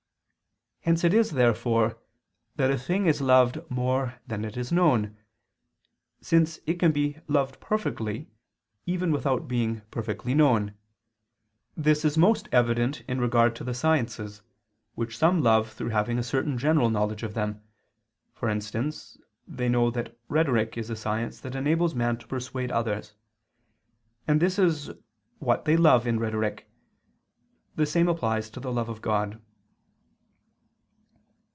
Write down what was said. Hence it is, therefore, that a thing is loved more than it is known; since it can be loved perfectly, even without being perfectly known. This is most evident in regard to the sciences, which some love through having a certain general knowledge of them: for instance, they know that rhetoric is a science that enables man to persuade others; and this is what they love in rhetoric. The same applies to the love of God.